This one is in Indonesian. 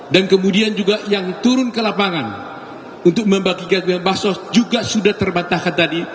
dan kemudian juga yang turun ke lapangan untuk membagikan kemampasan sosial juga sudah terbantahkan tadi